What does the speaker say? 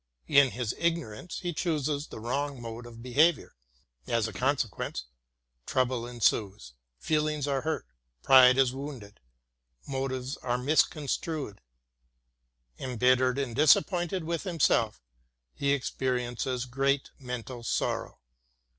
In his ignorance, he chooses the wrong mode of behavior. As a consequence, trouble ensues; feelings are hurt, pride is wounded, mo 6 THE GERMAN CLASSICS tives are misconstrued. Embittered and disappointed with himself, he experiences great mental sorrow.